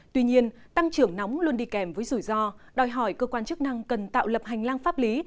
tuy nhiên tăng trưởng nóng luôn đi kèm với rủi ro đòi hỏi cơ quan chức năng cần tạo lập hành lang pháp lý